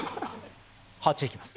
８いきます！